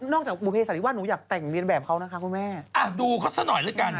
นอกจากวิวเภสายีว่าหนูอยากแต่งเลียนแบบทั้งคนดูเขาสักหน่อยด้วยกัน